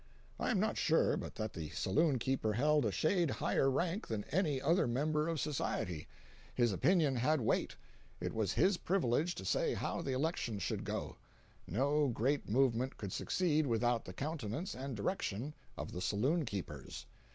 I am not sure but that the saloon keeper held a shade higher rank than any other member of society. His opinion had weight. It was his privilege to say how the elections should go. No great movement could succeed without the countenance and direction of the saloon keepers.